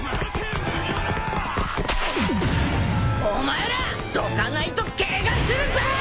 お前らどかないとケガするぞ！